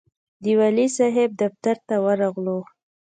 د والي صاحب دفتر ته ورغلو.